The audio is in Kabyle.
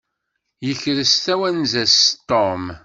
Yekres tawenza-s Tom.